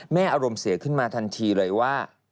อารมณ์เสียขึ้นมาทันทีเลยว่า